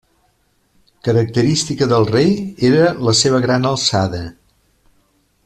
Característica del rei era la seva gran alçada.